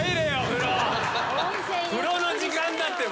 風呂の時間だって。